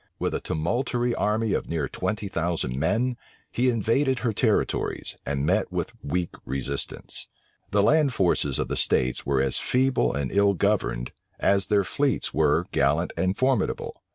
With a tumultuary army of near twenty thousand men, he invaded her territories, and met with weak resistance. The land forces of the states were as feeble and ill governed, as their fleets were gallant and formidable.